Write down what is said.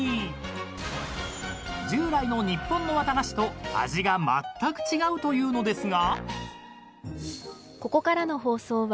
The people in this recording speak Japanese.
［従来の日本の綿菓子と味がまったく違うというのですが］